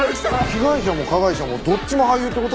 被害者も加害者もどっちも俳優って事？